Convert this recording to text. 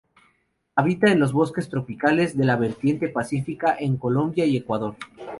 Habita en los bosques tropicales de la vertiente pacífica en Colombia y Ecuador.